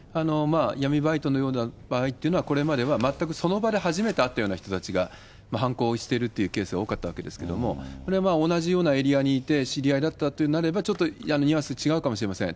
闇バイトのような場合っていうのは、これまでは全くその場で初めて会ったような人たちが犯行してるっていうケースが多かったわけですけれども、同じようなエリアにいて知り合いだったってなれば、ちょっとニュアンス違うかもしれません。